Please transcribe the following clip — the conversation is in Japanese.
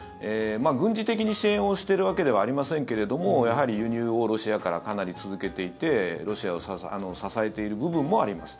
軍事的に支援をしているわけではありませんけれども輸入をロシアからかなり続けていてロシアを支えている部分もあります。